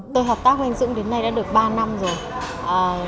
tôi hợp tác với anh dưỡng đến nay đã được ba năm rồi